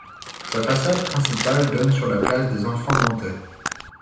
Sa façade principale donne sur la place des Enfants-Nantais.